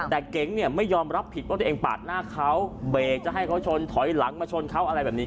แต่เก๋งเนี่ยไม่ยอมรับผิดว่าตัวเองปาดหน้าเขาเบรกจะให้เขาชนถอยหลังมาชนเขาอะไรแบบนี้